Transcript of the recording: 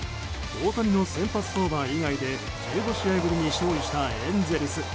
大谷の先発登板以外で１５試合ぶりに勝利したエンゼルス。